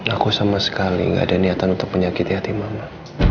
aku sama sekali gak ada niatan untuk menyakiti hati mama